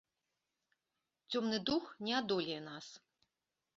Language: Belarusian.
Цёмны дух не адолее нас.